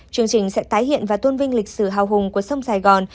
chương trình sẽ tái hiện và tôn vinh lịch sử hào hùng của sông sài gòn